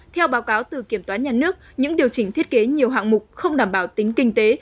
theo báo cáo từ kiểm toán nhà nước những điều chỉnh thiết kế nhiều hạng mục không đảm bảo tính kinh tế